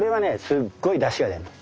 すっごいだしが出るの。